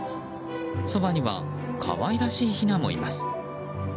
そばには可愛らしいひなもいます。